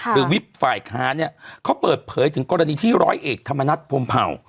วิบฝ่ายค้าเนี่ยเขาเปิดเผยถึงกรณีที่ร้อยเอกธรรมนัฐพรมเผ่า